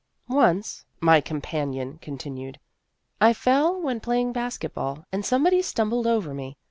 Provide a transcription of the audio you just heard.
" Once," my companion con tinued, " I fell when playing basket ball, and somebody stumbled over me.